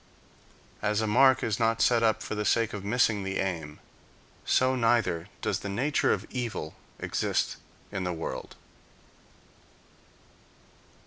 As a mark is not set up for the sake of missing the aim, so neither does the nature of evil exist in the world.